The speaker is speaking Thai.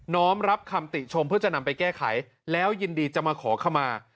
้อมรับคำติชมเพื่อจะนำไปแก้ไขแล้วยินดีจะมาขอขมา